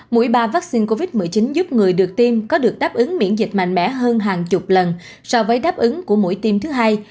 mũi ba vaccine covid một mươi chín giúp người được tiêm có được đáp ứng miễn dịch mạnh mẽ hơn hàng chục lần so với đáp ứng của mũi tiêm thứ hai